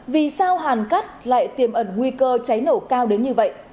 vì sao hàn cắt lại tiềm ẩn nguy cơ cháy nổ cao đến như vậy